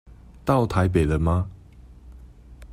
到台北了嗎？